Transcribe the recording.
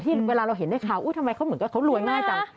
ที่เวลาเราเห็นในข่าวทำไมเขาเหมือนเขารวยง่ายจัง